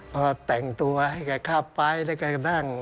เขาแต่งตัวเขากะข้าวไปแล้วก็นั่ง